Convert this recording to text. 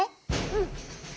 うん。